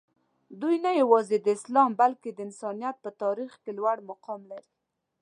دوي نه یوازې د اسلام بلکې د انسانیت په تاریخ کې لوړ مقام لري.